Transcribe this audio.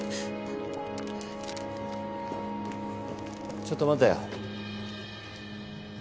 ちょっと待てよ。